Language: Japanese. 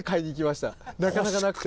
なかなかなくて。